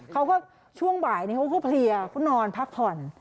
ช่วงบ่ายนี้เขาก็เพลียเขานอนพักผ่อน